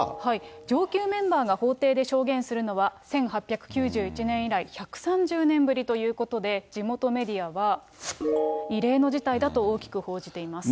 上級メンバーが法廷で証言するのは、１８９１年以来１３０年ぶりということで、地元メディアは、異例の事態だと大きく報じています。